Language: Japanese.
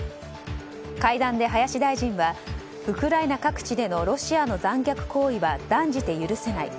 会談で林大臣はウクライナ各地でのロシアの残虐行為は断じて許せない。